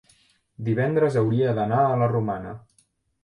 Divendres hauria d'anar a la Romana.